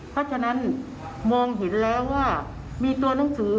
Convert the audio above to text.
เพราะฉะนั้นมองเห็นแล้วว่ามีตัวหนังสือ